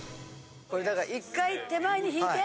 これだから１回手前に引いて。